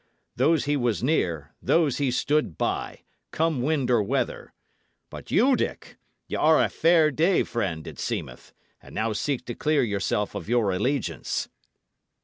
Those he was near, those he stood by, come wind or weather. But you, Dick, y' are a fair day friend, it seemeth, and now seek to clear yourself of your allegiance."